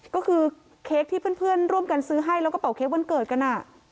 ก็คือเค้กที่เพื่อนร่วมกันซื้อให้แล้วก็เป่าเค้กวันเกิดกัน